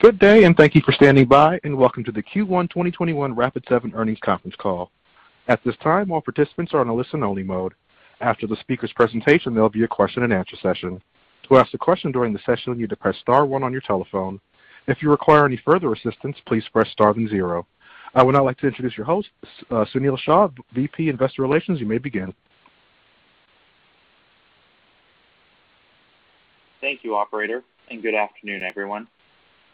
Good day, and thank you for standing by, and welcome to the Q1 2021 Rapid7 Earnings Conference Call. To ask a question during the session, you need to press star one on your telephone. If you require any further assistance, please press star then zero. I would now like to introduce your host, Sunil Shah, VP Investor Relations. You may begin. Thank you, operator, good afternoon, everyone.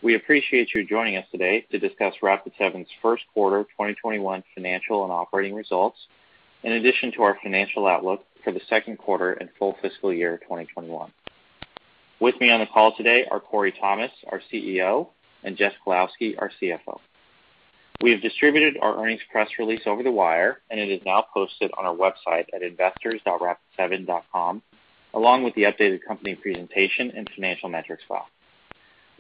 We appreciate you joining us today to discuss Rapid7's first quarter 2021 financial and operating results, in addition to our financial outlook for the second quarter and full fiscal year 2021. With me on the call today are Corey Thomas, our CEO, and Jeff Kalowski, our CFO. We have distributed our earnings press release over the wire, and it is now posted on our website at investors.rapid7.com, along with the updated company presentation and financial metrics file.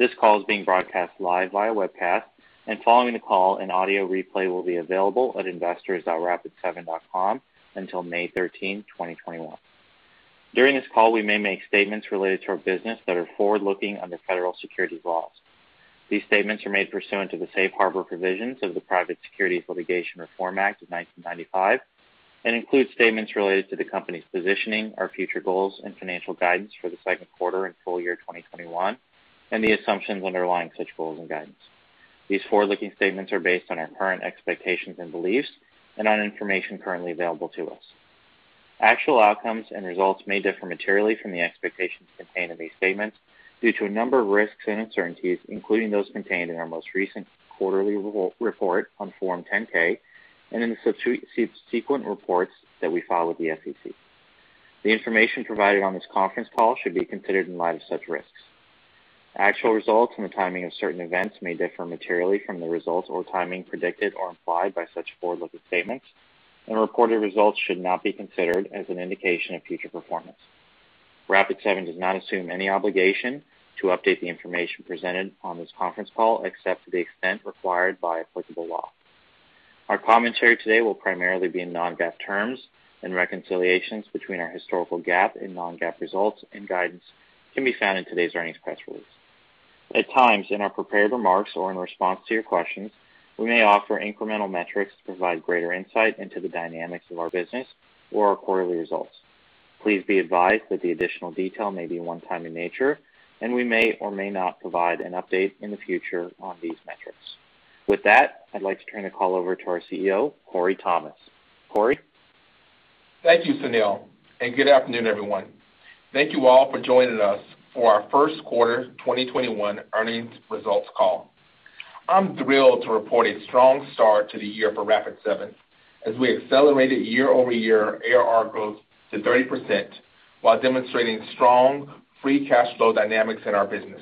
This call is being broadcast live via webcast, and following the call, an audio replay will be available at investors.rapid7.com until May 13, 2021. During this call, we may make statements related to our business that are forward-looking under federal securities laws. These statements are made pursuant to the Safe Harbor Provisions of the Private Securities Litigation Reform Act of 1995 and include statements related to the company's positioning, our future goals, and financial guidance for the second quarter and full year 2021, and the assumptions underlying such goals and guidance. These forward-looking statements are based on our current expectations and beliefs and on information currently available to us. Actual outcomes and results may differ materially from the expectations contained in these statements due to a number of risks and uncertainties, including those contained in our most recent quarterly report on Form 10-K and in subsequent reports that we file with the SEC. The information provided on this conference call should be considered in light of such risks. Actual results and the timing of certain events may differ materially from the results or timing predicted or implied by such forward-looking statements, and reported results should not be considered as an indication of future performance. Rapid7 does not assume any obligation to update the information presented on this conference call, except to the extent required by applicable law. Our commentary today will primarily be in non-GAAP terms, and reconciliations between our historical GAAP and non-GAAP results and guidance can be found in today's earnings press release. At times, in our prepared remarks or in response to your questions, we may offer incremental metrics to provide greater insight into the dynamics of our business or our quarterly results. Please be advised that the additional detail may be one-time in nature, and we may or may not provide an update in the future on these metrics. With that, I'd like to turn the call over to our CEO, Corey Thomas. Corey? Thank you, Sunil, and good afternoon, everyone. Thank you all for joining us for our first quarter 2021 earnings results call. I'm thrilled to report a strong start to the year for Rapid7 as we accelerated year-over-year ARR growth to 30% while demonstrating strong free cash flow dynamics in our business.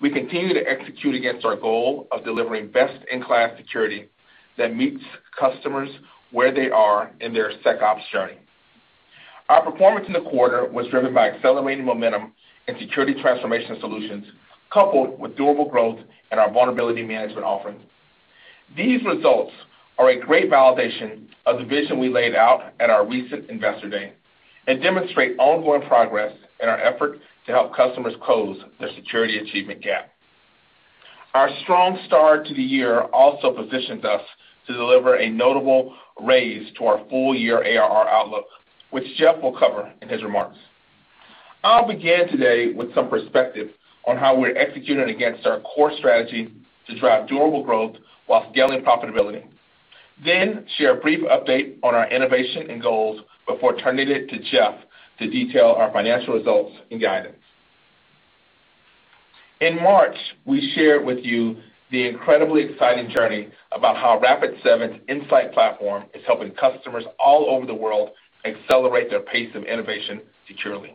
We continue to execute against our goal of delivering best-in-class security that meets customers where they are in their SecOps journey. Our performance in the quarter was driven by accelerating momentum in security transformation solutions, coupled with durable growth in our vulnerability management offerings. These results are a great validation of the vision we laid out at our recent Investor Day and demonstrate ongoing progress in our effort to help customers close their security achievement gap. Our strong start to the year also positions us to deliver a notable raise to our full-year ARR outlook, which Jeff will cover in his remarks. I'll begin today with some perspective on how we're executing against our core strategy to drive durable growth while scaling profitability, then share a brief update on our innovation and goals before turning it to Jeff to detail our financial results and guidance. In March, we shared with you the incredibly exciting journey about how Rapid7's Insight platform is helping customers all over the world accelerate their pace of innovation securely.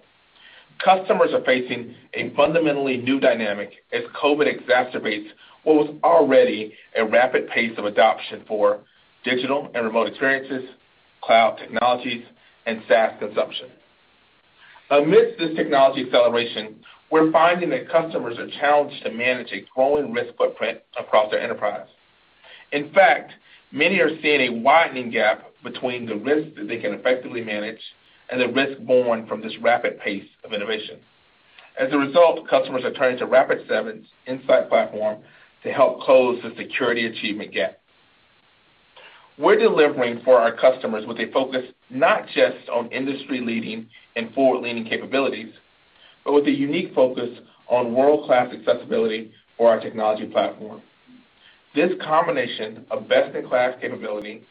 Customers are facing a fundamentally new dynamic as COVID exacerbates what was already a rapid pace of adoption for digital and remote experiences, cloud technologies, and SaaS consumption. Amidst this technology acceleration, we're finding that customers are challenged to manage a growing risk footprint across their enterprise. In fact, many are seeing a widening gap between the risks that they can effectively manage and the risks born from this rapid pace of innovation. As a result, customers are turning to Rapid7's Insight platform to help close the security achievement gap. We're delivering for our customers with a focus not just on industry-leading and forward-leaning capabilities, but with a unique focus on world-class accessibility for our technology platform. This combination of best-in-class capability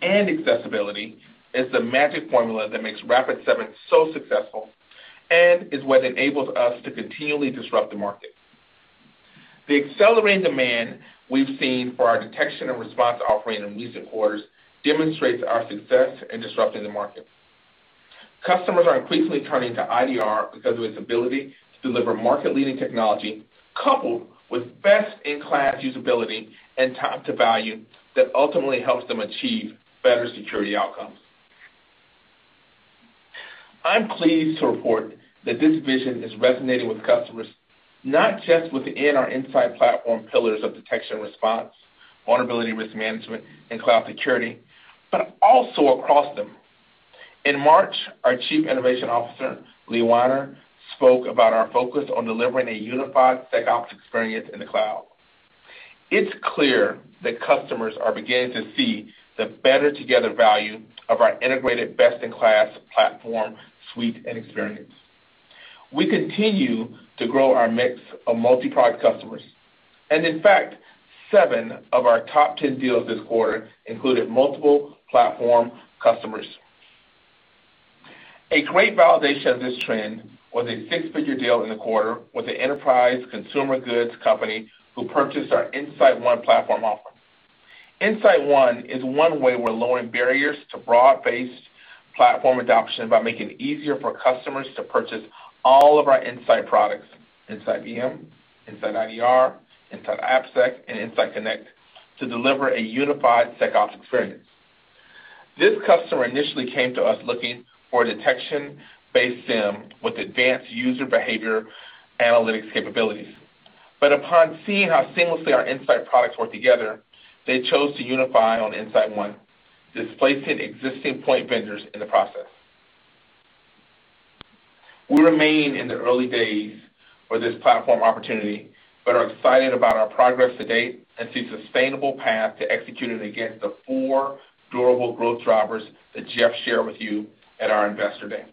and accessibility is the magic formula that makes Rapid7 so successful and is what enables us to continually disrupt the market. The accelerated demand we've seen for our Detection and Response offering in recent quarters demonstrates our success in disrupting the market. Customers are increasingly turning to IDR because of its ability to deliver market-leading technology coupled with best-in-class usability and time to value that ultimately helps them achieve better security outcomes. I'm pleased to report that this vision is resonating with customers, not just within our Insight platform pillars of Detection and Response, vulnerability risk management, and cloud security, but also across them. In March, our Chief Innovation Officer, Lee Weiner, spoke about our focus on delivering a unified SecOps experience in the cloud. It's clear that customers are beginning to see the better together value of our integrated best-in-class platform suite and experience. We continue to grow our mix of multi-product customers. In fact, seven of our top 10 deals this quarter included multiple platform customers. A great validation of this trend was a six-figure deal in the quarter with an enterprise consumer goods company who purchased our InsightOne platform offer. InsightOne is one way we're lowering barriers to broad-based platform adoption by making it easier for customers to purchase all of our Insight products, InsightVM, InsightIDR, InsightAppSec, and InsightConnect, to deliver a unified SecOps experience. This customer initially came to us looking for a detection-based SIEM with advanced user behavior analytics capabilities. Upon seeing how seamlessly our Insight products work together, they chose to unify on InsightOne, displacing existing point vendors in the process. We remain in the early days for this platform opportunity, but are excited about our progress to date and see a sustainable path to executing against the four durable growth drivers that Jeff shared with you at our investor day.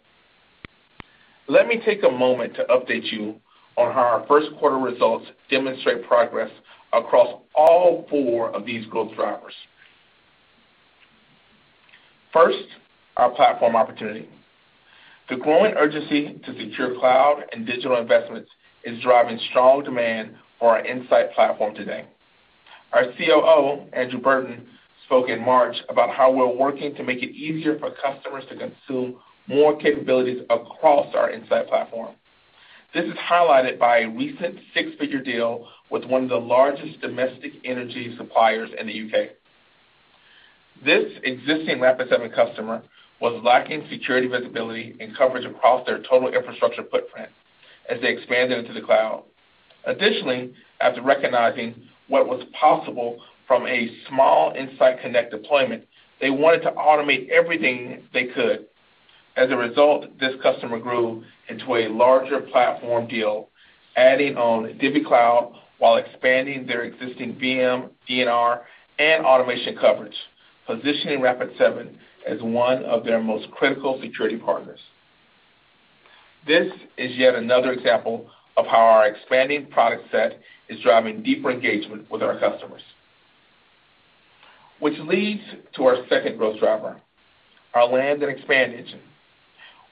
Let me take a moment to update you on how our first quarter results demonstrate progress across all four of these growth drivers. First, our platform opportunity. The growing urgency to secure cloud and digital investments is driving strong demand for our Insight platform today. Our COO, Andrew Burton, spoke in March about how we're working to make it easier for customers to consume more capabilities across our Insight platform. This is highlighted by a recent six-figure deal with one of the largest domestic energy suppliers in the U.K. This existing Rapid7 customer was lacking security visibility and coverage across their total infrastructure footprint as they expanded into the cloud. Additionally, after recognizing what was possible from a small InsightConnect deployment, they wanted to automate everything they could. As a result, this customer grew into a larger platform deal, adding on DivvyCloud while expanding their existing VM, D&R, and automation coverage, positioning Rapid7 as one of their most critical security partners. This is yet another example of how our expanding product set is driving deeper engagement with our customers. Which leads to our second growth driver, our land and expand engine.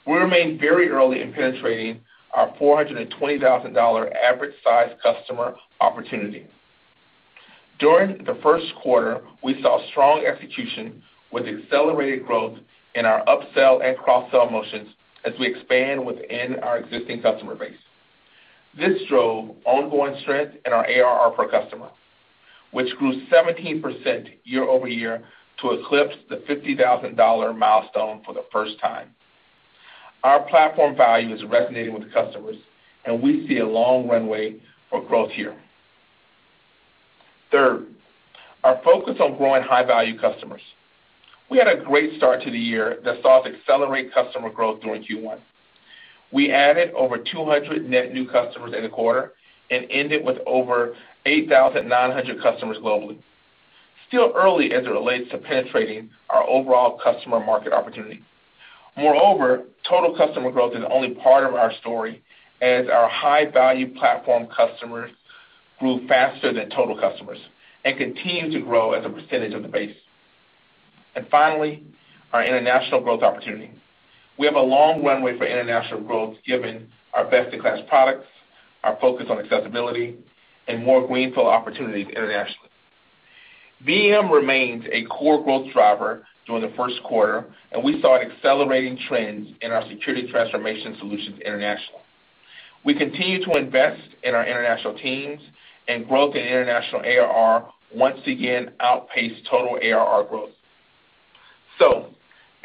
We remain very early in penetrating our $420,000 average size customer opportunity. During the first quarter, we saw strong execution with accelerated growth in our upsell and cross-sell motions as we expand within our existing customer base. This drove ongoing strength in our ARR per customer, which grew 17% year-over-year to eclipse the $50,000 milestone for the first time. Our platform value is resonating with customers, and we see a long runway for growth here. Third, our focus on growing high-value customers. We had a great start to the year that saw us accelerate customer growth during Q1. We added over 200 net new customers in the quarter and ended with over 8,900 customers globally. Still early as it relates to penetrating our overall customer market opportunity. Moreover, total customer growth is only part of our story, as our high-value platform customers grew faster than total customers and continue to grow as a percentage of the base. Finally, our international growth opportunity. We have a long runway for international growth given our best-in-class products, our focus on accessibility, and more greenfield opportunities internationally. VM remains a core growth driver during the first quarter, and we saw accelerating trends in our security transformation solutions internationally. We continue to invest in our international teams, and growth in international ARR once again outpaced total ARR growth.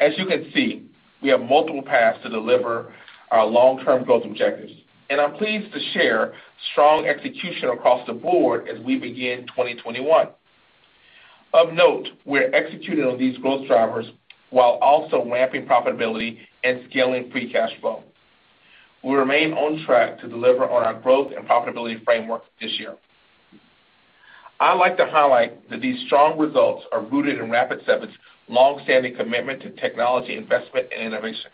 As you can see, we have multiple paths to deliver our long-term growth objectives, and I'm pleased to share strong execution across the board as we begin 2021. Of note, we're executing on these growth drivers while also ramping profitability and scaling free cash flow. We remain on track to deliver on our growth and profitability framework this year. I'd like to highlight that these strong results are rooted in Rapid7's long-standing commitment to technology investment and innovation.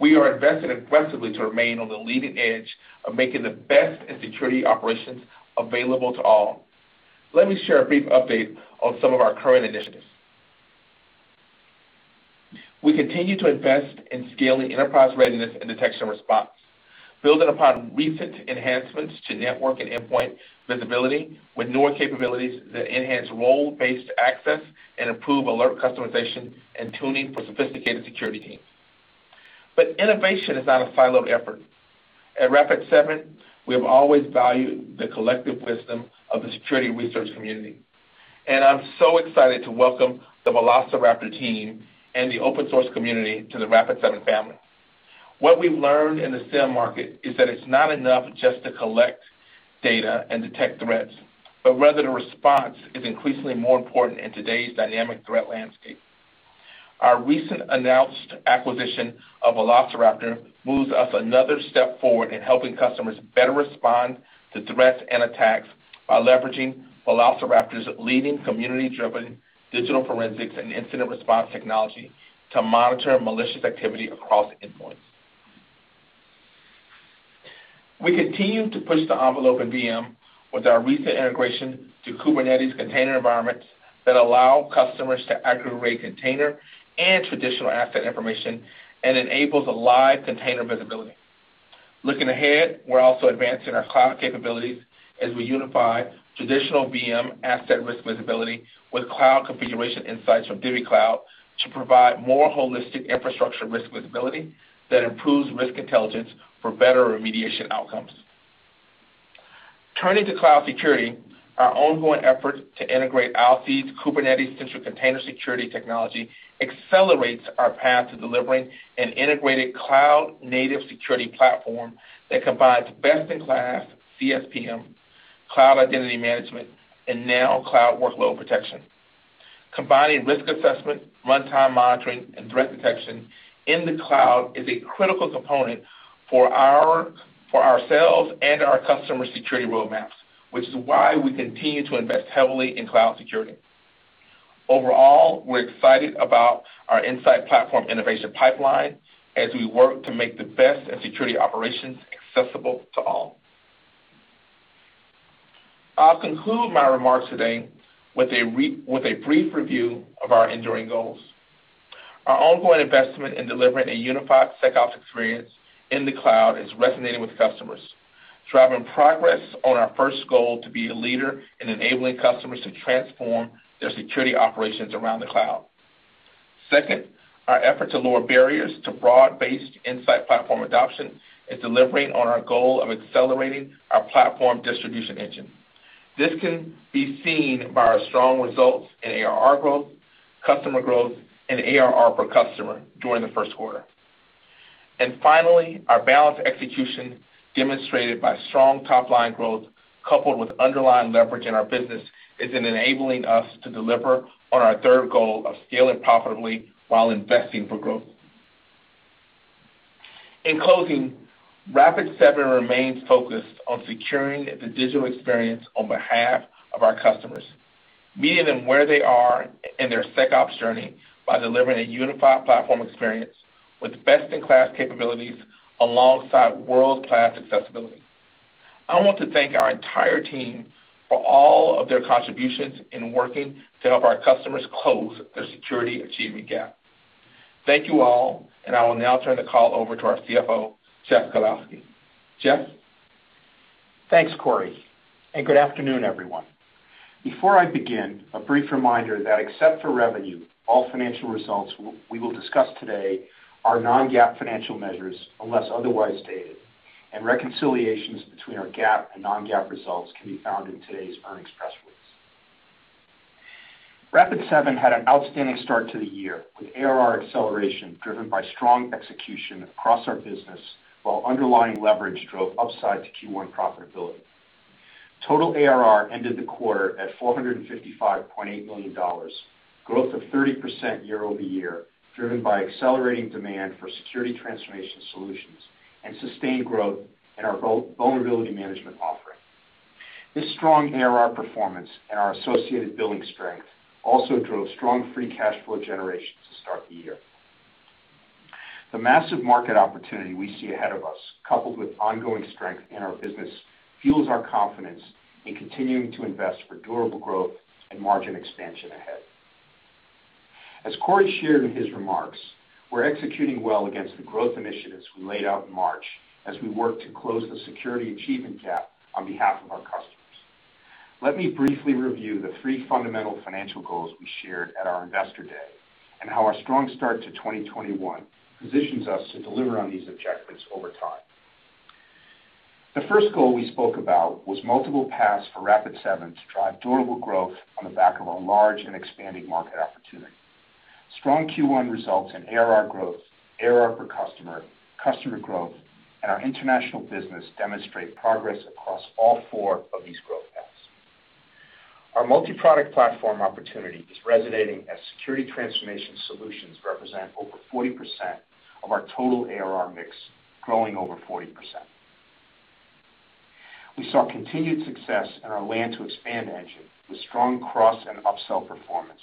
We are investing aggressively to remain on the leading edge of making the best in security operations available to all. Let me share a brief update on some of our current initiatives. We continue to invest in scaling enterprise readiness and detection response, building upon recent enhancements to network and endpoint visibility with newer capabilities that enhance role-based access and improve alert customization and tuning for sophisticated security teams. Innovation is not a siloed effort. At Rapid7, we have always valued the collective wisdom of the security research community, and I'm so excited to welcome the Velociraptor team and the open-source community to the Rapid7 family. What we've learned in the SIEM market is that it's not enough just to collect data and detect threats, but rather the response is increasingly more important in today's dynamic threat landscape. Our recent announced acquisition of Velociraptor moves us another step forward in helping customers better respond to threats and attacks by leveraging Velociraptor's leading community-driven digital forensics and incident response technology to monitor malicious activity across endpoints. We continue to push the envelope at VM with our recent integration to Kubernetes container environments that allow customers to aggregate container and traditional asset information and enables a live container visibility. Looking ahead, we're also advancing our cloud capabilities as we unify traditional VM asset risk visibility with cloud configuration insights from DivvyCloud to provide more holistic infrastructure risk visibility that improves risk intelligence for better remediation outcomes. Turning to cloud security, our ongoing efforts to integrate Alcide's Kubernetes central container security technology accelerates our path to delivering an integrated cloud-native security platform that combines best-in-class CSPM, cloud identity management, and now cloud workload protection. Combining risk assessment, runtime monitoring, and threat detection in the cloud is a critical component for ourselves and our customers' security roadmaps, which is why we continue to invest heavily in cloud security. Overall, we're excited about our Insight platform innovation pipeline as we work to make the best in security operations accessible to all. I'll conclude my remarks today with a brief review of our enduring goals. Our ongoing investment in delivering a unified SecOps experience in the cloud is resonating with customers, driving progress on our first goal to be a leader in enabling customers to transform their security operations around the cloud. Second, our effort to lower barriers to broad-based Insight platform adoption is delivering on our goal of accelerating our platform distribution engine. This can be seen by our strong results in ARR growth, customer growth, and ARR per customer during the first quarter. Finally, our balanced execution demonstrated by strong top-line growth coupled with underlying leverage in our business is enabling us to deliver on our third goal of scaling profitably while investing for growth. In closing, Rapid7 remains focused on securing the digital experience on behalf of our customers, meeting them where they are in their SecOps journey by delivering a unified platform experience with best-in-class capabilities alongside world-class accessibility. I want to thank our entire team for all of their contributions in working to help our customers close their security achievement gap. Thank you all, and I will now turn the call over to our CFO, Jeff Kalowski. Jeff? Thanks, Corey, and good afternoon, everyone. Before I begin, a brief reminder that except for revenue, all financial results we will discuss today are non-GAAP financial measures unless otherwise stated, and reconciliations between our GAAP and non-GAAP results can be found in today's earnings press release. Rapid7 had an outstanding start to the year, with ARR acceleration driven by strong execution across our business, while underlying leverage drove upside to Q1 profitability. Total ARR ended the quarter at $455.8 million, growth of 30% year-over-year, driven by accelerating demand for security transformation solutions and sustained growth in our vulnerability management offering. This strong ARR performance and our associated billing strength also drove strong free cash flow generation to start the year. The massive market opportunity we see ahead of us, coupled with ongoing strength in our business, fuels our confidence in continuing to invest for durable growth and margin expansion ahead. As Corey shared in his remarks, we're executing well against the growth initiatives we laid out in March as we work to close the security achievement gap on behalf of our customers. Let me briefly review the three fundamental financial goals we shared at our Investor Day and how our strong start to 2021 positions us to deliver on these objectives over time. The first goal we spoke about was multiple paths for Rapid7 to drive durable growth on the back of a large and expanding market opportunity. Strong Q1 results in ARR growth, ARR per customer growth, and our international business demonstrate progress across all four of these growth paths. Our multi-product platform opportunity is resonating as security transformation solutions represent over 40% of our total ARR mix, growing over 40%. We saw continued success in our land to expand engine with strong cross and upsell performance,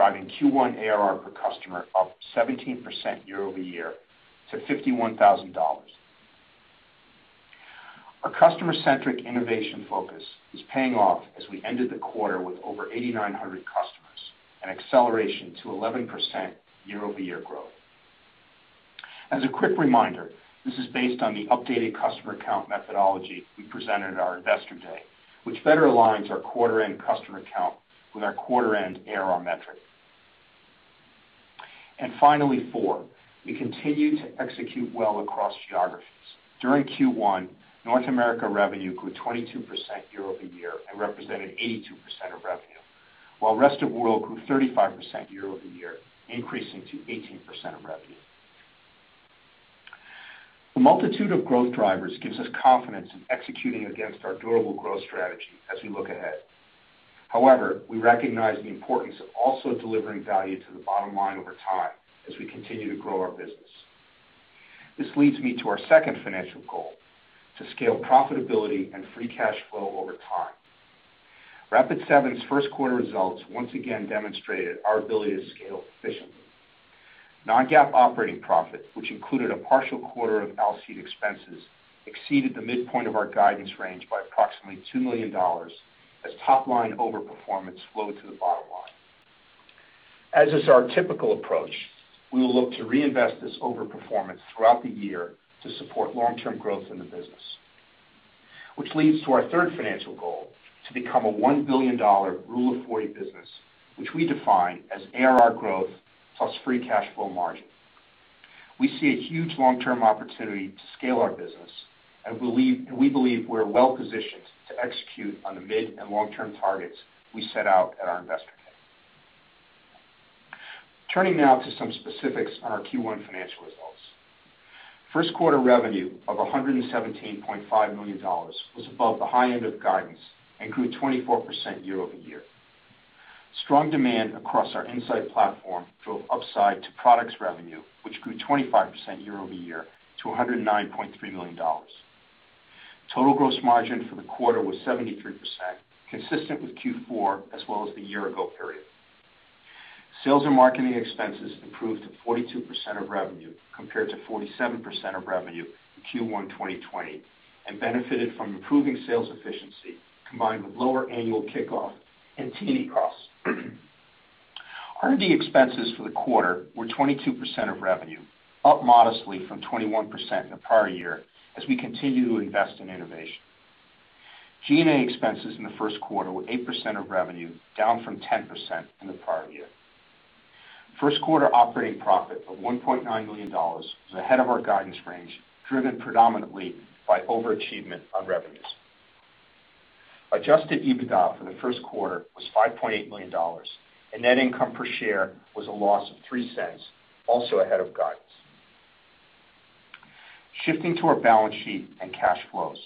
driving Q1 ARR per customer up 17% year-over-year to $51,000. Our customer-centric innovation focus is paying off as we ended the quarter with over 8,900 customers, an acceleration to 11% year-over-year growth. As a quick reminder, this is based on the updated customer count methodology we presented at our Investor Day, which better aligns our quarter-end customer count with our quarter-end ARR metric. Finally, four, we continue to execute well across geographies. During Q1, North America revenue grew 22% year-over-year and represented 82% of revenue. While rest of world grew 35% year-over-year, increasing to 18% of revenue. The multitude of growth drivers gives us confidence in executing against our durable growth strategy as we look ahead. However, we recognize the importance of also delivering value to the bottom line over time as we continue to grow our business. This leads me to our second financial goal, to scale profitability and free cash flow over time. Rapid7's first quarter results once again demonstrated our ability to scale efficiently. Non-GAAP operating profit, which included a partial quarter of Alcide expenses, exceeded the midpoint of our guidance range by approximately $2 million, as top-line over-performance flowed to the bottom line. As is our typical approach, we will look to reinvest this over-performance throughout the year to support long-term growth in the business, which leads to our third financial goal, to become a $1 billion Rule of 40 business, which we define as ARR growth plus free cash flow margin. We see a huge long-term opportunity to scale our business, and we believe we're well-positioned to execute on the mid and long-term targets we set out at our investor day. Turning now to some specifics on our Q1 financial results. First quarter revenue of $117.5 million was above the high end of guidance and grew 24% year-over-year. Strong demand across our Insight platform drove upside to products revenue, which grew 25% year-over-year to $109.3 million. Total gross margin for the quarter was 73%, consistent with Q4 as well as the year-ago period. Sales and marketing expenses improved to 42% of revenue, compared to 47% of revenue in Q1 2020, and benefited from improving sales efficiency, combined with lower annual kickoff and T&E costs. R&D expenses for the quarter were 22% of revenue, up modestly from 21% in the prior year, as we continue to invest in innovation. G&A expenses in the first quarter were 8% of revenue, down from 10% in the prior year. First quarter operating profit of $1.9 million was ahead of our guidance range, driven predominantly by overachievement on revenues. Adjusted EBITDA for the first quarter was $5.8 million, and net income per share was a loss of $0.03, also ahead of guidance. Shifting to our balance sheet and cash flows.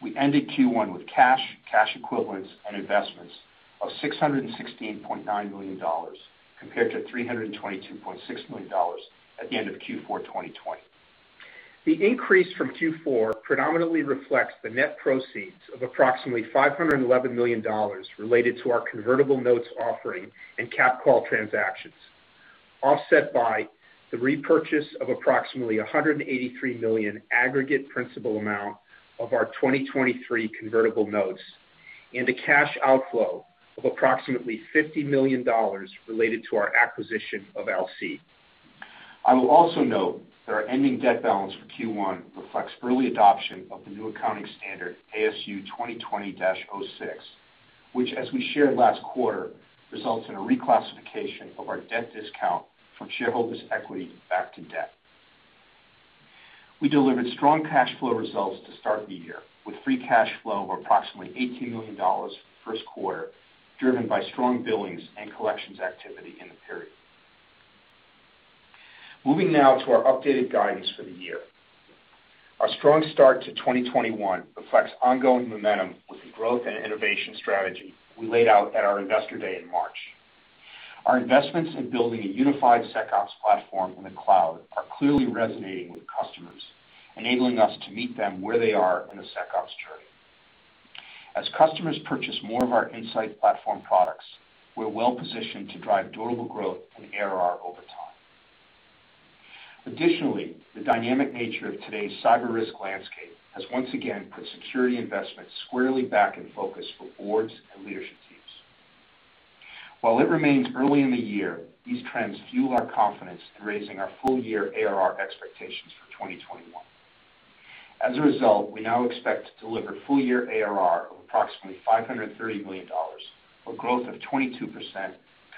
We ended Q1 with cash equivalents, and investments of $616.9 million, compared to $322.6 million at the end of Q4 2020. The increase from Q4 predominantly reflects the net proceeds of approximately $511 million related to our convertible notes offering and cap call transactions, offset by the repurchase of approximately $183 million aggregate principal amount of our 2023 convertible notes, and a cash outflow of approximately $50 million related to our acquisition of Alcide. I will also note that our ending debt balance for Q1 reflects early adoption of the new accounting standard ASU 2020-06, which, as we shared last quarter, results in a reclassification of our debt discount from shareholders' equity back to debt. We delivered strong cash flow results to start the year, with free cash flow of approximately $18 million for the first quarter, driven by strong billings and collections activity in the period. Moving now to our updated guidance for the year. Our strong start to 2021 reflects ongoing momentum with the growth and innovation strategy we laid out at our investor day in March. Our investments in building a unified SecOps platform in the cloud are clearly resonating with customers, enabling us to meet them where they are in the SecOps journey. As customers purchase more of our Insight platform products, we're well-positioned to drive durable growth and ARR over time. Additionally, the dynamic nature of today's cyber risk landscape has once again put security investments squarely back in focus for boards and leadership teams. While it remains early in the year, these trends fuel our confidence in raising our full year ARR expectations for 2021. As a result, we now expect to deliver full year ARR of approximately $530 million, or growth of 22%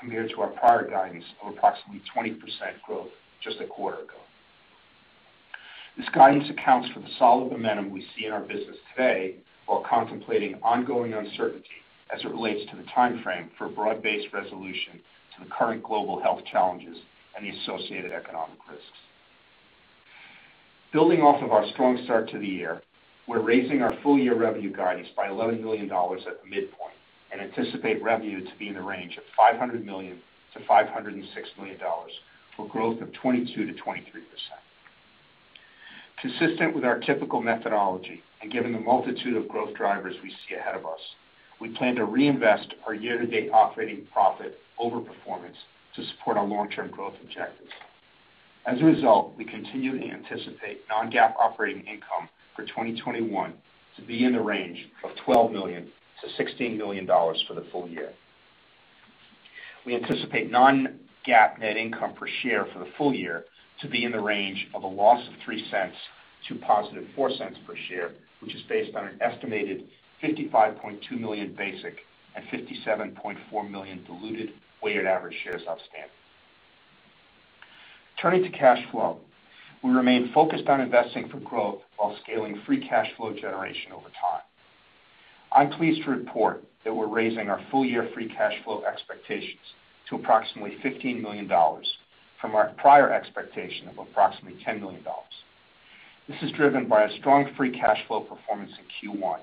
compared to our prior guidance of approximately 20% growth just a quarter ago. This guidance accounts for the solid momentum we see in our business today while contemplating ongoing uncertainty as it relates to the timeframe for broad-based resolution to the current global health challenges and the associated economic risks. Building off of our strong start to the year, we're raising our full-year revenue guidance by $11 million at the midpoint and anticipate revenue to be in the range of $500 million-$506 million, for growth of 22%-23%. Consistent with our typical methodology and given the multitude of growth drivers we see ahead of us, we plan to reinvest our year-to-date operating profit over performance to support our long-term growth objectives. As a result, we continue to anticipate non-GAAP operating income for 2021 to be in the range of $12 million-$16 million for the full year. We anticipate non-GAAP net income per share for the full year to be in the range of a loss of $0.03 to positive $0.04 per share, which is based on an estimated 55.2 million basic and 57.4 million diluted weighted average shares outstanding. Turning to cash flow, we remain focused on investing for growth while scaling free cash flow generation over time. I'm pleased to report that we're raising our full-year free cash flow expectations to approximately $15 million from our prior expectation of approximately $10 million. This is driven by a strong free cash flow performance in Q1,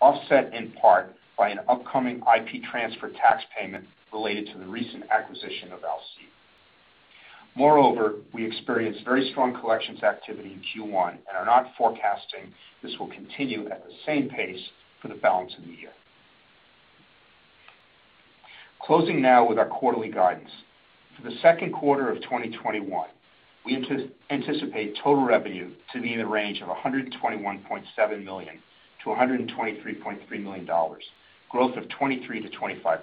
offset in part by an upcoming IP transfer tax payment related to the recent acquisition of Alcide. We experienced very strong collections activity in Q1 and are not forecasting this will continue at the same pace for the balance of the year. Closing now with our quarterly guidance. For the second quarter of 2021, we anticipate total revenue to be in the range of $121.7 million-$123.3 million, growth of 23%-25%.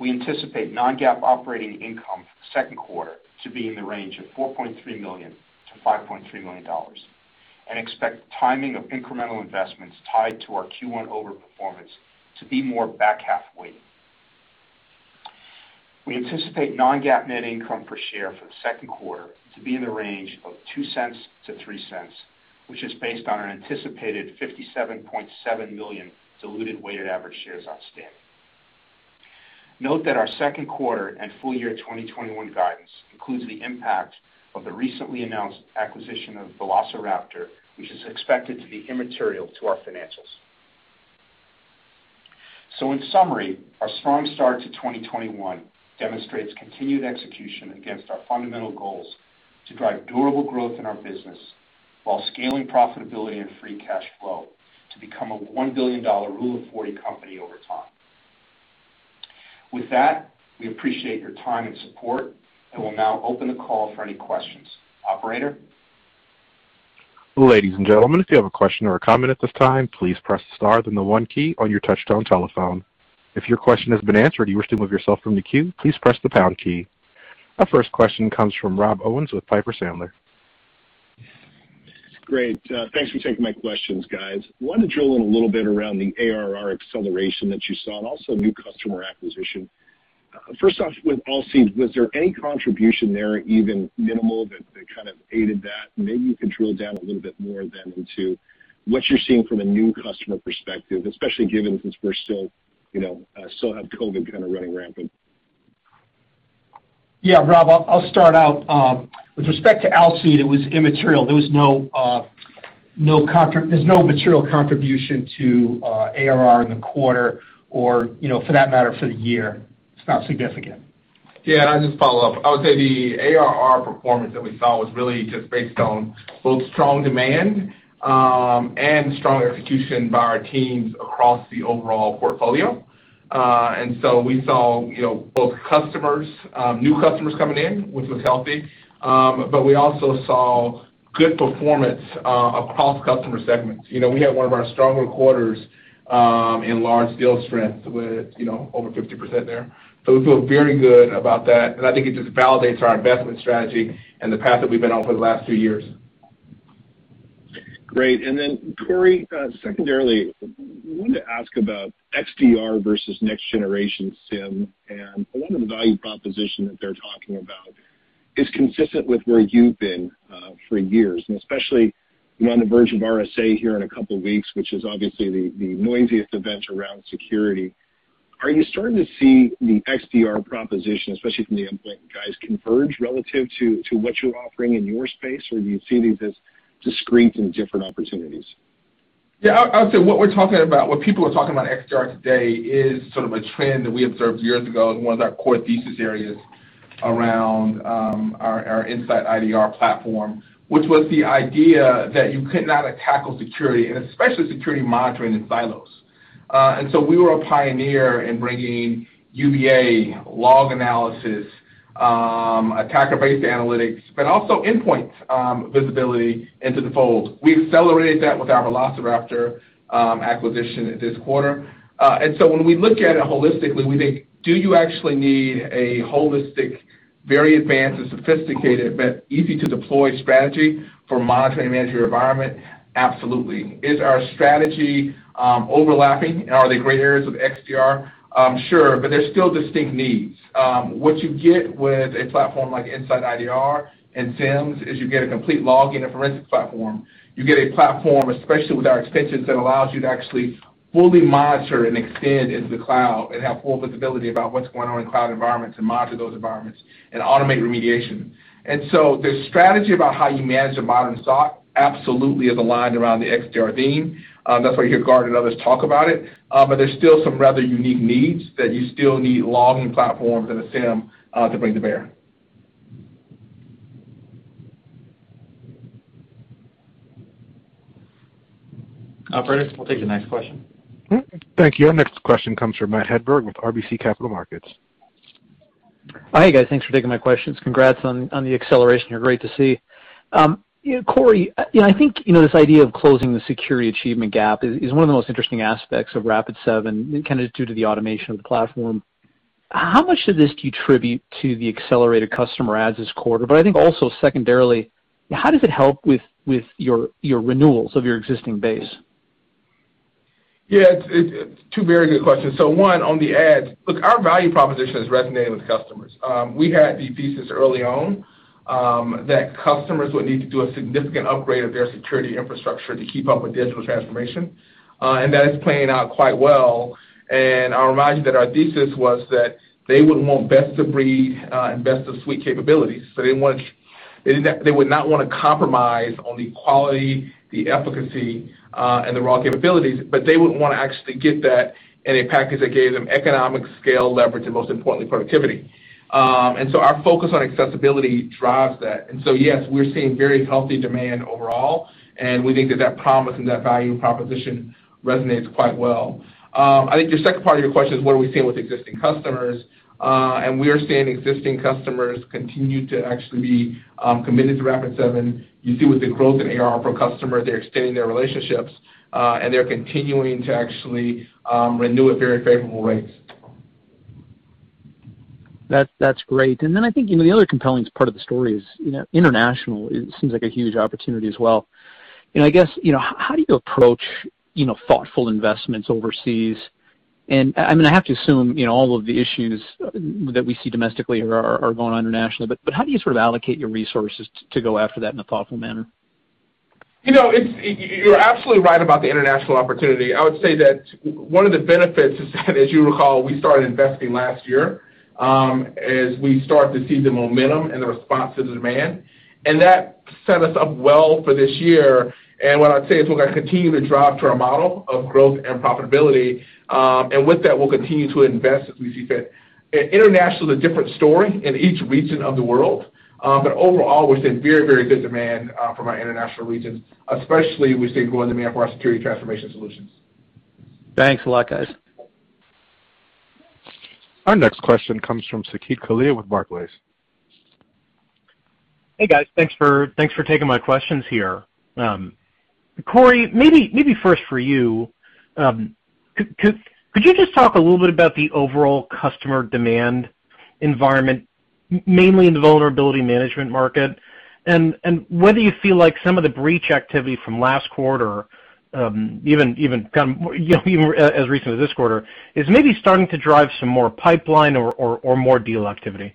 We anticipate non-GAAP operating income for the second quarter to be in the range of $4.3 million-$5.3 million and expect timing of incremental investments tied to our Q1 over performance to be more back-half weighted. We anticipate non-GAAP net income per share for the second quarter to be in the range of $0.02-$0.03, which is based on our anticipated 57.7 million diluted weighted average shares outstanding. Note that our second quarter and full-year 2021 guidance includes the impact of the recently announced acquisition of Velociraptor, which is expected to be immaterial to our financials. In summary, our strong start to 2021 demonstrates continued execution against our fundamental goals to drive durable growth in our business while scaling profitability and free cash flow to become a $1 billion Rule of 40 company over time. With that, we appreciate your time and support and will now open the call for any questions. Operator? Our first question comes from Rob Owens with Piper Sandler. Great. Thanks for taking my questions, guys. Wanted to drill in a little bit around the ARR acceleration that you saw and also new customer acquisition. First off, with Alcide, was there any contribution there, even minimal, that kind of aided that? Maybe you can drill down a little bit more then into what you're seeing from a new customer perspective, especially given since we still have COVID running rampant. Yeah, Rob, I'll start out. With respect to Alcide, it was immaterial. There's no material contribution to ARR in the quarter or for that matter, for the year. It's not significant. I'll just follow up. I would say the ARR performance that we saw was really just based on both strong demand and strong execution by our teams across the overall portfolio. We saw both new customers coming in, which was healthy. We also saw good performance across customer segments. We had one of our stronger quarters in large deal strength with over 50% there. We feel very good about that, and I think it just validates our investment strategy and the path that we've been on for the last two years. Great. Corey, secondarily, I wanted to ask about XDR versus next generation SIEM. I wonder if the value proposition that they're talking about is consistent with where you've been for years, especially on the verge of RSA here in a couple of weeks, which is obviously the noisiest event around security. Are you starting to see the XDR proposition, especially from the endpoint guys, converge relative to what you're offering in your space? Do you see these as discrete and different opportunities? I would say what people are talking about XDR today is sort of a trend that we observed years ago as one of our core thesis areas around our InsightIDR platform. Which was the idea that you could not tackle security, and especially security monitoring in silos. We were a pioneer in bringing UBA log analysis, attacker-based analytics, but also endpoint visibility into the fold. We accelerated that with our Velociraptor acquisition this quarter. When we look at it holistically, we think, do you actually need a holistic, very advanced and sophisticated, but easy-to-deploy strategy for monitoring and managing your environment? Absolutely. Is our strategy overlapping and are they gray areas of XDR? Sure, there's still distinct needs. What you get with a platform like InsightIDR and SIEMs is you get a complete login and forensic platform. You get a platform, especially with our extensions, that allows you to actually fully monitor and extend into the cloud and have full visibility about what's going on in cloud environments and monitor those environments and automate remediation. The strategy about how you manage a modern SOC absolutely is aligned around the XDR theme. That's why you hear Gartner and others talk about it. There's still some rather unique needs that you still need logging platforms and a SIEM to bring to bear. Operator, we'll take the next question. Thank you. Our next question comes from Matt Hedberg with RBC Capital Markets. Hi, guys. Thanks for taking my questions. Congrats on the acceleration. Great to see. Corey, I think this idea of closing the security achievement gap is one of the most interesting aspects of Rapid7, due to the automation of the platform. How much of this do you attribute to the accelerated customer adds this quarter? I think also secondarily, how does it help with your renewals of your existing base? Yeah. Two very good questions. One, on the ads, look, our value proposition has resonated with customers. We had the thesis early on that customers would need to do a significant upgrade of their security infrastructure to keep up with digital transformation, that is playing out quite well. I'll remind you that our thesis was that they would want best-of-breed and best-of-suite capabilities. They would not want to compromise on the quality, the efficacy, and the raw capabilities, they would want to actually get that in a package that gave them economic scale leverage, and most importantly, productivity. Our focus on accessibility drives that. Yes, we're seeing very healthy demand overall, we think that that promise and that value proposition resonates quite well. I think your second part of your question is what are we seeing with existing customers? We are seeing existing customers continue to actually be committed to Rapid7. You see with the growth in ARR per customer, they're extending their relationships, and they're continuing to actually renew at very favorable rates. That's great. I think, the other compelling part of the story is international. It seems like a huge opportunity as well. I guess, how do you approach thoughtful investments overseas? I have to assume all of the issues that we see domestically are going on internationally, but how do you sort of allocate your resources to go after that in a thoughtful manner? You're absolutely right about the international opportunity. I would say that one of the benefits is that, as you recall, we started investing last year, as we start to see the momentum and the response to the demand. That set us up well for this year. What I'd say is we're going to continue to drive to our model of growth and profitability. With that, we'll continue to invest as we see fit. International is a different story in each region of the world. Overall, we're seeing very, very good demand from our international regions, especially we're seeing growing demand for our security transformation solutions. Thanks a lot, guys. Our next question comes from Saket Kalia with Barclays. Hey, guys. Thanks for taking my questions here. Corey, maybe first for you. Could you just talk a little bit about the overall customer demand environment, mainly in the vulnerability management market? Whether you feel like some of the breach activity from last quarter, even as recent as this quarter, is maybe starting to drive some more pipeline or more deal activity.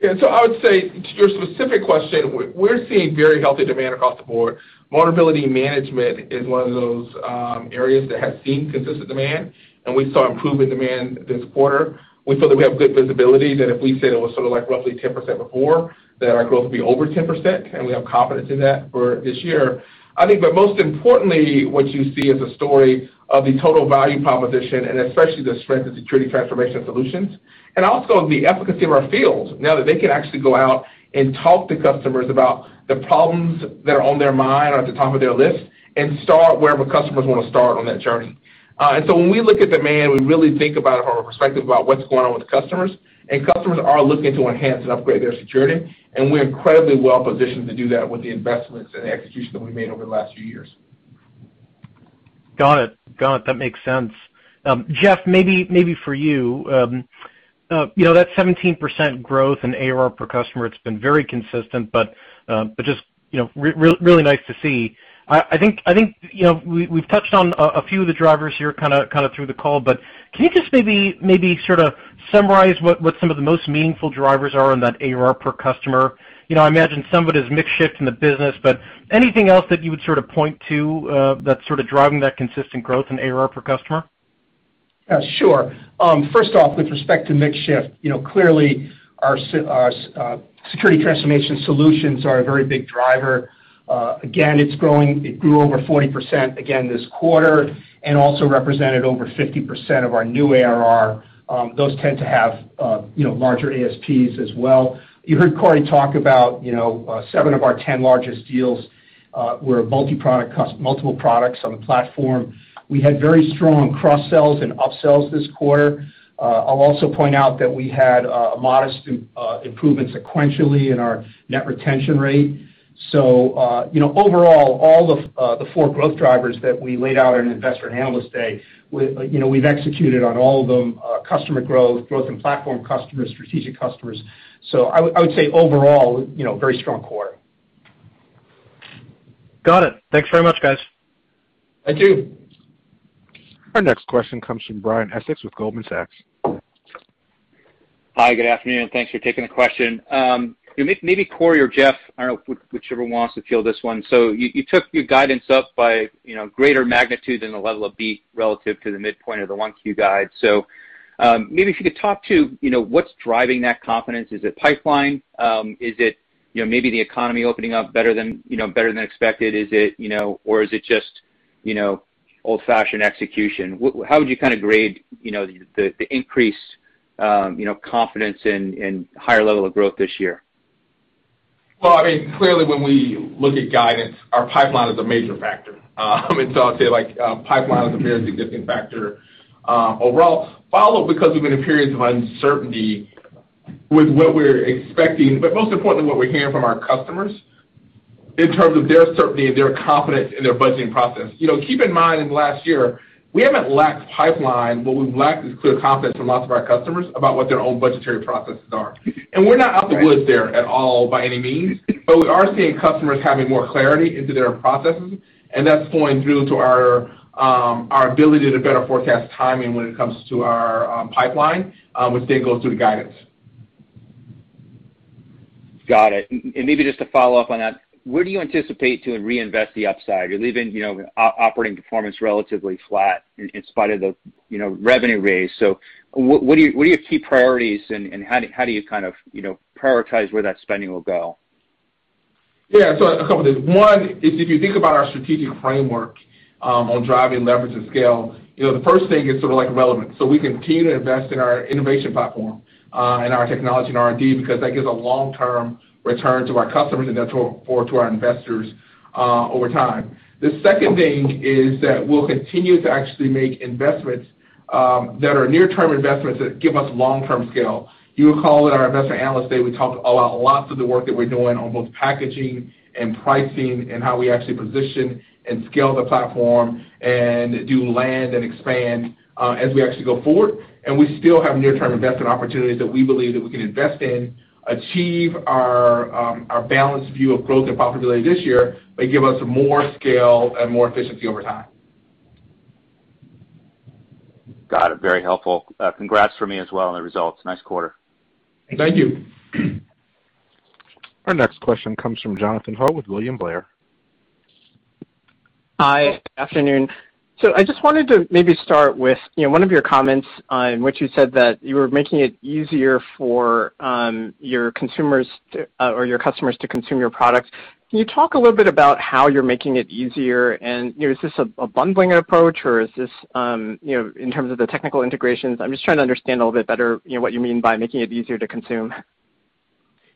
Yeah. I would say to your specific question, we're seeing very healthy demand across the board. Vulnerability management is one of those areas that has seen consistent demand, and we saw improving demand this quarter. We feel that we have good visibility that if we said it was sort of like roughly 10% before, that our growth would be over 10%, and we have confidence in that for this year. I think, most importantly, what you see is a story of the total value proposition and especially the strength of security transformation solutions. Also the efficacy of our fields, now that they can actually go out and talk to customers about the problems that are on their mind or at the top of their list and start wherever customers want to start on that journey. When we look at demand, we really think about it from a perspective about what's going on with customers, and customers are looking to enhance and upgrade their security, and we're incredibly well-positioned to do that with the investments and execution that we made over the last few years. Got it. That makes sense. Jeff, maybe for you. That 17% growth in ARR per customer, it's been very consistent, but just really nice to see. I think we've touched on a few of the drivers here kind of through the call, but can you just maybe sort of summarize what some of the most meaningful drivers are in that ARR per customer? I imagine some of it is mix shift in the business, but anything else that you would sort of point to that's sort of driving that consistent growth in ARR per customer? Sure. First off, with respect to mix shift, clearly our Security Transformation solutions are a very big driver. It grew over 40% again this quarter and also represented over 50% of our new ARR. Those tend to have larger ASPs as well. You heard Corey talk about seven of our 10 largest deals were multiple products on the platform. We had very strong cross-sells and up-sells this quarter. I'll also point out that we had a modest improvement sequentially in our net retention rate. Overall, all the four growth drivers that we laid out on Investor and Analyst Day, we've executed on all of them. Customer growth in platform customers, strategic customers. I would say overall, very strong quarter. Got it. Thanks very much, guys. Thank you. Our next question comes from Brian Essex with Goldman Sachs. Hi, good afternoon. Thanks for taking the question. Maybe Corey or Jeff, I don't know whichever wants to field this one. You took your guidance up by greater magnitude than the level of B relative to the midpoint of the 1Q guide. Maybe if you could talk to what's driving that confidence. Is it pipeline? Is it maybe the economy opening up better than expected? Or is it just old-fashioned execution? How would you kind of grade the increased confidence and higher level of growth this year? Well, clearly when we look at guidance, our pipeline is a major factor. I'd say pipeline is a very significant factor overall. Followed because we've been in periods of uncertainty with what we're expecting, but most importantly, what we're hearing from our customers in terms of their certainty and their confidence in their budgeting process. Keep in mind, in the last year, we haven't lacked pipeline, what we've lacked is clear confidence from lots of our customers about what their own budgetary processes are. We're not out the woods there at all by any means, but we are seeing customers having more clarity into their processes, and that's flowing through to our ability to better forecast timing when it comes to our pipeline, which then goes through the guidance. Got it. Maybe just to follow up on that, where do you anticipate to reinvest the upside? You're leaving operating performance relatively flat in spite of the revenue raise. What are your key priorities and how do you prioritize where that spending will go? Yeah. A couple things. One is if you think about our strategic framework, on driving leverage and scale, the first thing is sort of relevant. We continue to invest in our innovation platform, and our technology and R&D because that gives a long-term return to our customers and therefore to our investors over time. The second thing is that we'll continue to actually make investments that are near-term investments that give us long-term scale. You'll recall at our investor analyst day, we talked about lots of the work that we're doing on both packaging and pricing and how we actually position and scale the platform and do land and expand, as we actually go forward. We still have near-term investment opportunities that we believe that we can invest in, achieve our balanced view of growth and profitability this year, but give us more scale and more efficiency over time. Got it. Very helpful. Congrats from me as well on the results. Nice quarter. Thank you. Our next question comes from Jonathan Ho with William Blair. Hi. Afternoon. I just wanted to maybe start with one of your comments in which you said that you were making it easier for your customers to consume your products. Can you talk a little bit about how you're making it easier? And is this a bundling approach, or is this in terms of the technical integrations? I'm just trying to understand a little bit better what you mean by making it easier to consume.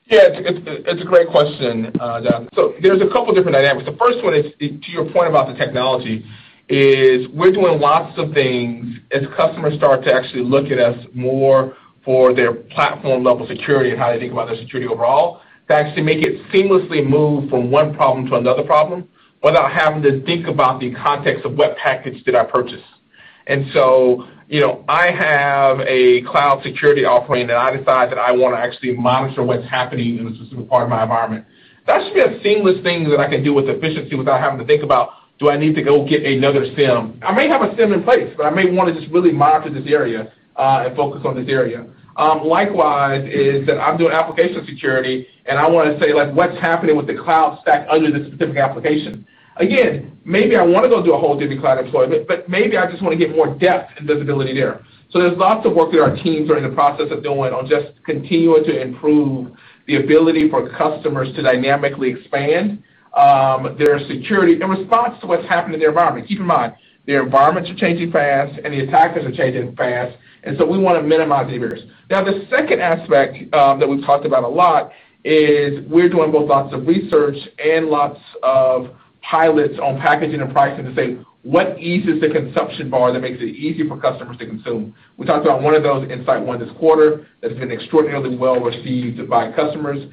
Yeah. It's a great question, Jon. There's a couple different dynamics. The first one is, to your point about the technology, is we're doing lots of things as customers start to actually look at us more for their platform-level security and how they think about their security overall, to actually make it seamlessly move from one problem to another problem without having to think about the context of what package did I purchase. I have a cloud security offering, and I decide that I want to actually monitor what's happening in a specific part of my environment. That should be a seamless thing that I can do with efficiency without having to think about, do I need to go get another SIEM? I may have a SIEM in place, but I may want to just really monitor this area, and focus on this area. Likewise, is that I'm doing application security, and I want to say, like, what's happening with the cloud stack under this specific application? Again, maybe I want to go do a whole different cloud deployment, but maybe I just want to get more depth and visibility there. There's lots of work that our teams are in the process of doing on just continuing to improve the ability for customers to dynamically expand their security in response to what's happening in their environment. Keep in mind, their environments are changing fast, and the attackers are changing fast, and so we want to minimize the errors. Now, the second aspect that we've talked about a lot is we're doing both lots of research and lots of pilots on packaging and pricing to say what eases the consumption bar that makes it easier for customers to consume. We talked about one of those, InsightOne, this quarter. That's been extraordinarily well-received by customers.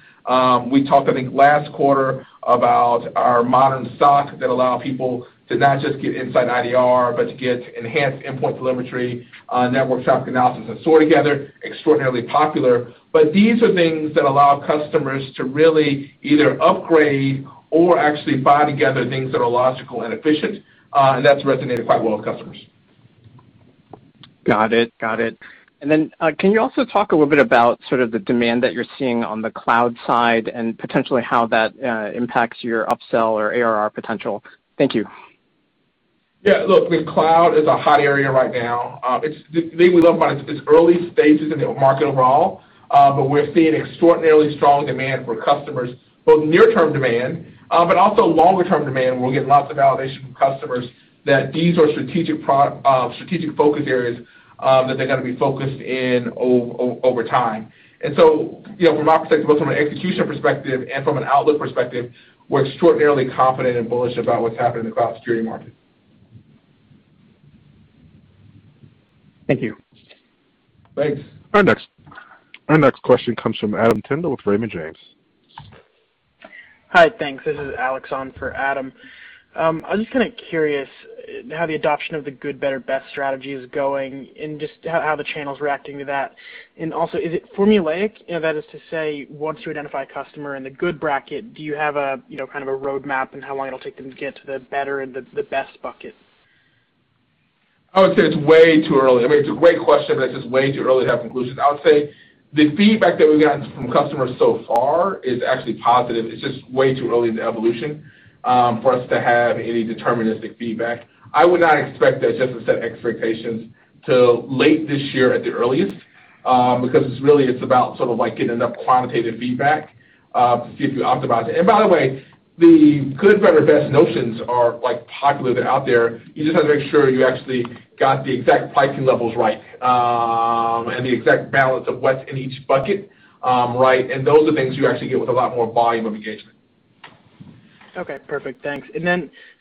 We talked, I think, last quarter about our modern SOC that allow people to not just get inside InsightIDR, but to get enhanced endpoint telemetry, network traffic analysis, and SOAR together, extraordinarily popular. These are things that allow customers to really either upgrade or actually buy together things that are logical and efficient. That's resonated quite well with customers. Got it. Can you also talk a little bit about sort of the demand that you're seeing on the cloud side and potentially how that impacts your upsell or ARR potential? Thank you. Yeah, look, the cloud is a hot area right now. The thing we love about it's early stages in the market overall. We're seeing extraordinarily strong demand for customers, both near-term demand, but also longer-term demand. We're getting lots of validation from customers that these are strategic focus areas, that they're going to be focused in over time. From my perspective, both from an execution perspective and from an outlook perspective, we're extraordinarily confident and bullish about what's happening in the cloud security market. Thank you. Thanks. Our next question comes from Adam Tindle with Raymond James. Hi, thanks. This is Alex Henderson on for Adam Tindle. I'm just kind of curious how the adoption of the good, better, best strategy is going and just how the channel's reacting to that. Is it formulaic? That is to say, once you identify a customer in the good bracket, do you have a kind of a roadmap on how long it'll take them to get to the better and the best bucket? I would say it's way too early. I mean, it's a great question, it's just way too early to have conclusions. I would say the feedback that we've gotten from customers so far is actually positive. It's just way too early in the evolution for us to have any deterministic feedback. I would not expect that, just to set expectations, till late this year at the earliest, because it's about getting enough quantitative feedback, to see if you optimize it. By the way, the good, better, best notions are popular. They're out there. You just have to make sure you actually got the exact pricing levels right, and the exact balance of what's in each bucket, right? Those are things you actually get with a lot more volume of engagement. Okay, perfect. Thanks.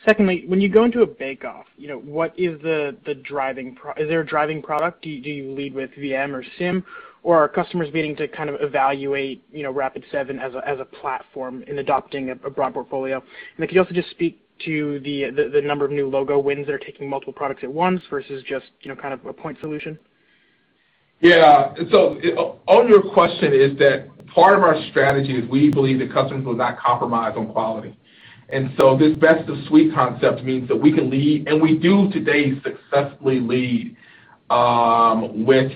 Secondly, when you go into a bake-off, is there a driving product? Do you lead with VM or SIEM, or are customers beginning to evaluate Rapid7 as a platform in adopting a broad portfolio? Can you also just speak to the number of new logo wins that are taking multiple products at once versus just a point solution? On your question is that part of our strategy is we believe that customers will not compromise on quality. This best of suite concept means that we can lead, and we do today successfully lead, with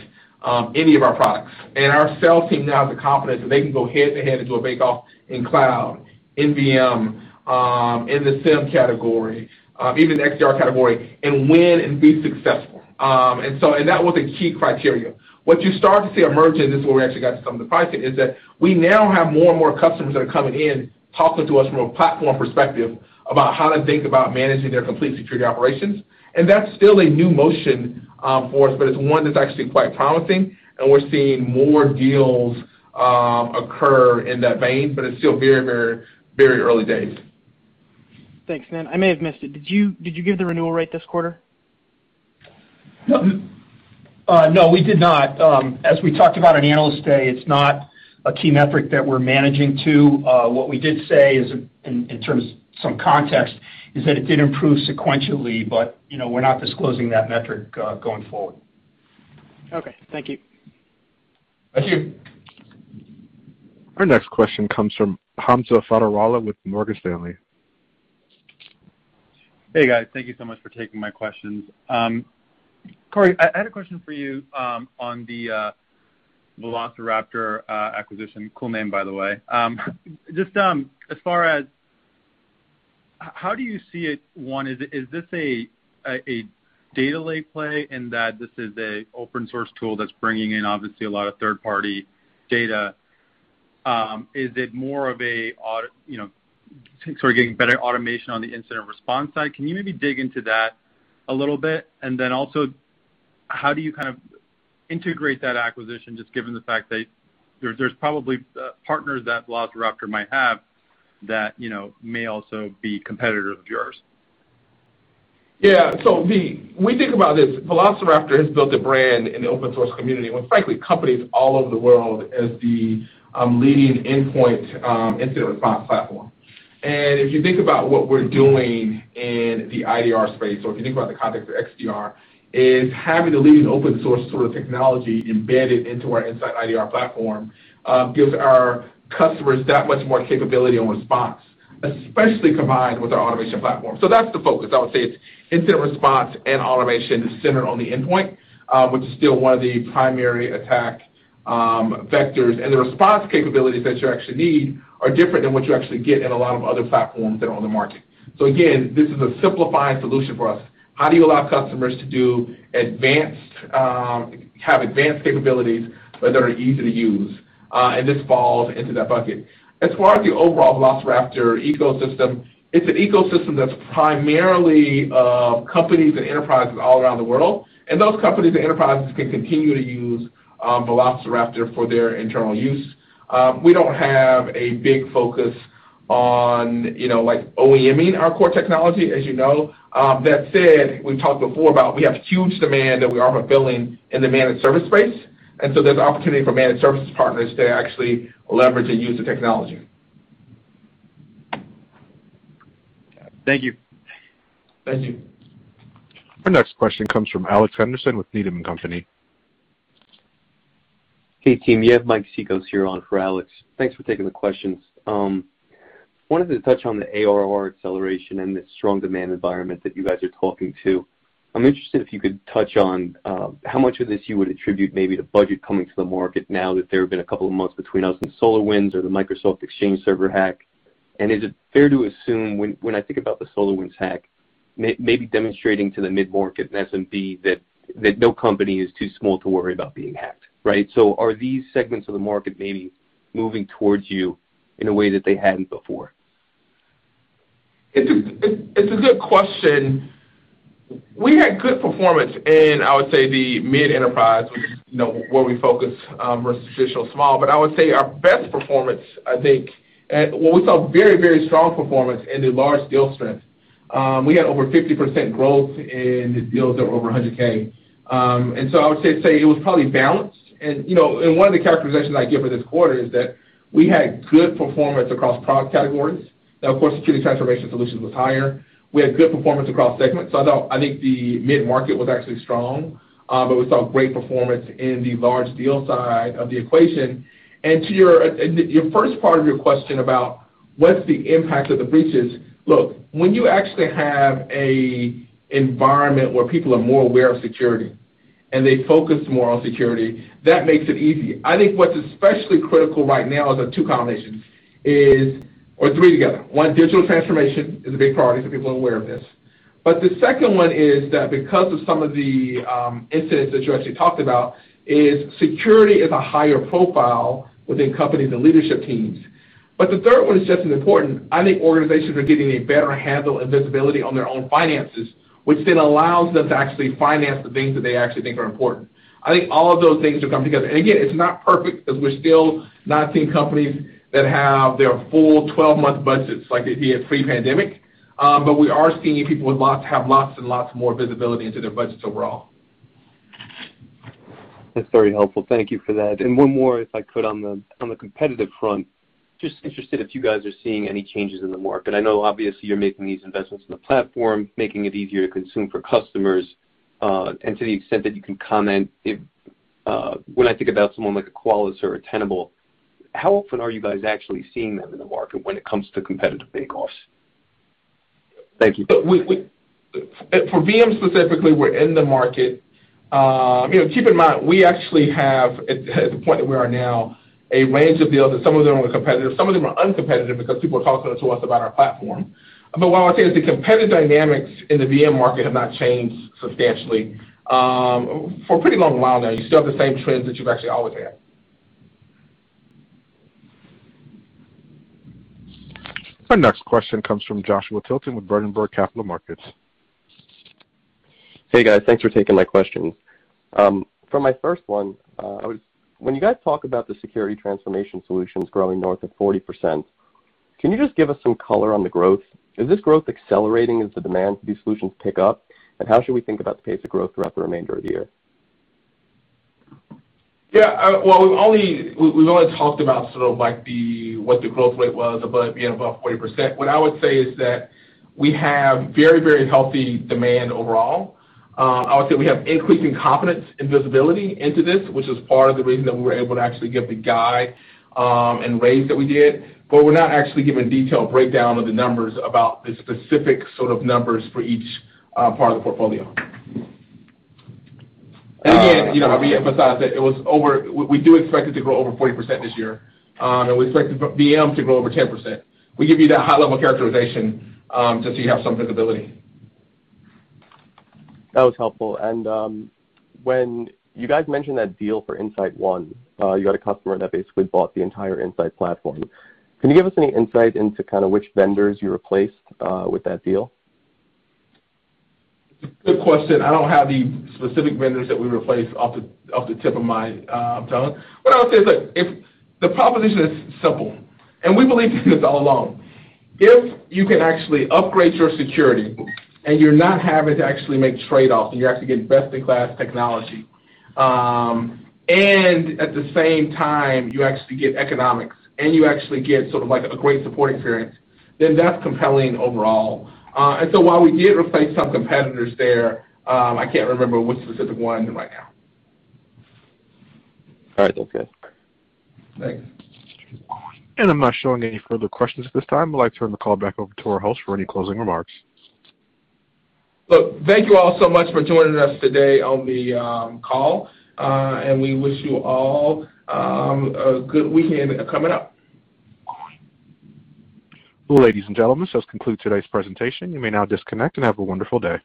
any of our products. Our sales team now has the confidence that they can go head-to-head into a bake-off in cloud, in VM, in the SIEM category, even XDR category, and win and be successful. That was a key criteria. What you start to see emerge, and this is where we actually got to some of the pricing, is that we now have more and more customers that are coming in, talking to us from a platform perspective about how to think about managing their complete security operations. That's still a new motion for us, but it's one that's actually quite promising, and we're seeing more deals occur in that vein, but it's still very early days. Thanks. I may have missed it, did you give the renewal rate this quarter? No, we did not. As we talked about on Analyst Day, it's not a key metric that we're managing to. What we did say is, in terms of some context, is that it did improve sequentially, but we're not disclosing that metric going forward. Okay. Thank you. Thank you. Our next question comes from Hamza Fodderwala with Morgan Stanley. Hey, guys. Thank you so much for taking my questions. Corey, I had a question for you on the Velociraptor acquisition. Cool name, by the way. Just as far as how do you see it? One, is this a data lake play in that this is an open source tool that's bringing in obviously a lot of third-party data? Is it more of getting better automation on the incident response side? Can you maybe dig into that a little bit? Also, how do you integrate that acquisition, just given the fact that there's probably partners that Velociraptor might have that may also be competitors of yours? When we think about this, Velociraptor has built a brand in the open-source community with, frankly, companies all over the world as the leading endpoint incident response platform. If you think about what we're doing in the InsightIDR space, or if you think about the context of XDR, is having the leading open-source technology embedded into our InsightIDR platform gives our customers that much more capability on response, especially combined with our automation platform. That's the focus. I would say it's incident response and automation centered on the endpoint, which is still one of the primary attack vectors. The response capabilities that you actually need are different than what you actually get in a lot of other platforms that are on the market. Again, this is a simplifying solution for us. How do you allow customers to have advanced capabilities that are easy to use? This falls into that bucket. As far as the overall Velociraptor ecosystem, it's an ecosystem that's primarily companies and enterprises all around the world, and those companies and enterprises can continue to use Velociraptor for their internal use. We don't have a big focus on OEM-ing our core technology, as you know. That said, we've talked before about we have huge demand that we aren't fulfilling in the managed service space, there's opportunity for managed services partners to actually leverage and use the technology. Thank you. Thank you. Our next question comes from Alex Henderson with Needham & Company. Hey, team, you have Mike Cikos here on for Alex Henderson. Thanks for taking the questions. Wanted to touch on the ARR acceleration and the strong demand environment that you guys are talking to. I'm interested if you could touch on how much of this you would attribute maybe to budget coming to the market now that there have been a couple of months between us and SolarWinds or the Microsoft Exchange Server hack. Is it fair to assume, when I think about the SolarWinds hack, maybe demonstrating to the mid-market and SMB that no company is too small to worry about being hacked, right? Are these segments of the market maybe moving towards you in a way that they hadn't before? It's a good question. We had good performance in, I would say, the mid-enterprise, which is where we focus versus small, but I would say our best performance, Well, we saw very strong performance in the large deal strength. We had over 50% growth in the deals that were over 100K. I would say it was probably balanced. One of the characterizations I give for this quarter is that we had good performance across product categories. Now, of course, security transformation solutions was higher. We had good performance across segments. I think the mid-market was actually strong, but we saw great performance in the large deal side of the equation. To your first part of your question about what's the impact of the breaches. Look, when you actually have an environment where people are more aware of security and they focus more on security, that makes it easy. I think what's especially critical right now is the two combinations, or three together. One, digital transformation is a big priority, so people are aware of this. The second one is that because of some of the incidents that you actually talked about, is security is a higher profile within companies and leadership teams. The third one is just as important. I think organizations are getting a better handle and visibility on their own finances, which then allows them to actually finance the things that they actually think are important. I think all of those things will come together. Again, it's not perfect because we're still not seeing companies that have their full 12-month budgets like they did pre-pandemic, but we are seeing people have lots and lots more visibility into their budgets overall. That's very helpful. Thank you for that. One more, if I could, on the competitive front, just interested if you guys are seeing any changes in the market. I know obviously you're making these investments in the platform, making it easier to consume for customers. To the extent that you can comment, when I think about someone like a Qualys or a Tenable, how often are you guys actually seeing them in the market when it comes to competitive bake-offs? Thank you. For VM specifically, we're in the market. Keep in mind, we actually have, at the point that we are now, a range of deals, and some of them are competitive, some of them are uncompetitive because people are talking to us about our platform. What I would say is the competitive dynamics in the VM market have not changed substantially for a pretty long while now. You still have the same trends that you've actually always had. Our next question comes from Joshua Tilton with Berenberg Capital Markets. Hey, guys. Thanks for taking my questions. For my first one, when you guys talk about the security transformation solutions growing north of 40%, can you just give us some color on the growth? Is this growth accelerating as the demand for these solutions pick up? How should we think about the pace of growth throughout the remainder of the year? Well, we've only talked about what the growth rate was, but being above 40%. What I would say is that we have very healthy demand overall. I would say we have increasing confidence and visibility into this, which is part of the reason that we were able to actually give the guide and raise that we did, but we're not actually giving a detailed breakdown of the numbers about the specific numbers for each part of the portfolio. Again, we emphasize that we do expect it to grow over 40% this year, and we expect VM to grow over 10%. We give you that high-level characterization just so you have some visibility. That was helpful. When you guys mentioned that deal for InsightOne, you got a customer that basically bought the entire Insight platform. Can you give us any insight into which vendors you replaced with that deal? Good question. I don't have the specific vendors that we replaced off the tip of my tongue. What I would say is, look, the proposition is simple, and we believed in this all along. If you can actually upgrade your security and you're not having to actually make trade-offs, and you're actually getting best-in-class technology, and at the same time you actually get economics, and you actually get a great support experience, then that's compelling overall. While we did replace some competitors there, I can't remember which specific ones right now. All right. That's good. Thanks. I'm not showing any further questions at this time. I'd like to turn the call back over to our host for any closing remarks. Look, thank you all so much for joining us today on the call. We wish you all a good weekend coming up. Ladies and gentlemen, this concludes today's presentation. You may now disconnect, and have a wonderful day.